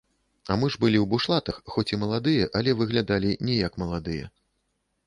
А мы ж былі ў бушлатах, хоць і маладыя, але выглядалі не як маладыя.